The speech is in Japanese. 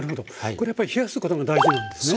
これやっぱり冷やすことが大事なんですね？